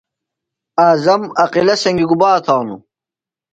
اعظم عاقلہ سنگیۡ گُبا تھانوۡ ؟